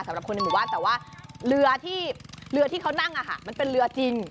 สำหรับคนในหมู่บ้านแต่ว่าเรือที่เรือที่เขานั่งมันเป็นเรือจริง